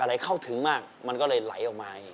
อะไรเข้าถึงมากมันก็เลยไหลออกมา